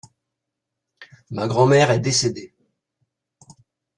Ma grand-mère est décédée.